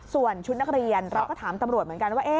ส่วนชุดนักเรียนเราก็ถามตำรวจเหมือนกันว่า